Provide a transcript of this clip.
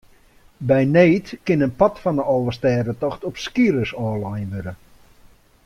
By need kin in part fan de Alvestêdetocht op skeelers ôflein wurde.